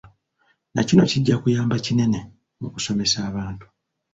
Nakino kijja kuyamba kinene mu kusomesa abantu.